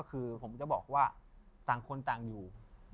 คือผมจะบอกว่าต่างคนต่างอยู่